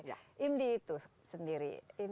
imdi itu sendiri ini sudah berdiri berapa lama